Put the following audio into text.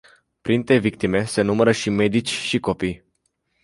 Printre victime se numără și medici și copii.